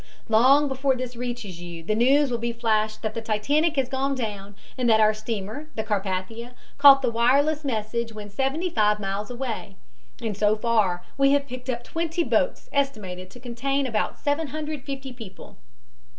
Long before this reaches you the news will be flashed that the Titanic has gone down and that our steamer, the Carpathia, caught the wireless message when seventy five miles away, and so far we have picked up twenty boats estimated to contain about 750 people.